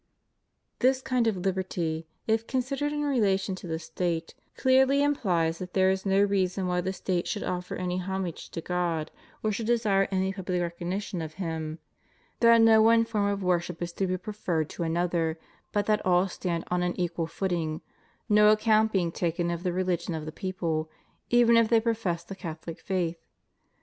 This kind of liberty, if considered in relation to the State, ^ clearly implies that there is no reason why the State should offer any homage to God, or should desire any public recognition of Him ; that no one form of worship is to be preferred to another, but that all stand on an equal footing, no account being taken of the rehgion of the people, even if they profess the Catholic faith.